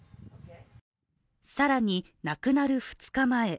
更に亡くなる２日前。